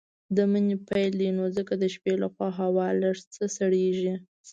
د مني پيل دی نو ځکه د شپې لخوا هوا لږ څه سړييږي.